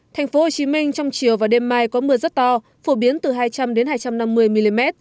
thành phố hồ chí minh trong chiều và đêm mai có mưa rất to phổ biến từ hai trăm linh hai trăm năm mươi mm